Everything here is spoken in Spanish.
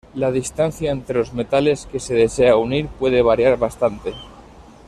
La distancia entre los metales que se desea unir puede variar bastante.